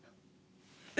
え！